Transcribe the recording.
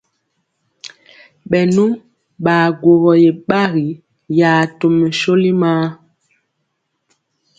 Bɛnu baguɔgo ye gbagi ya tɔmɛ shóli maa.